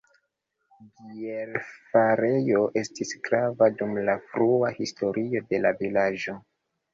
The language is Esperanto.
Bierfarejo estis grava dum la frua historio de la vilaĝo.